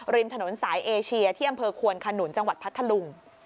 ริมถนนสายเอเชียที่อำเภอควนขนุนจังหวัดพัทธลุง